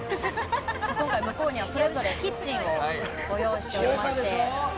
今回、向こうにはそれぞれキッチンをご用意しております。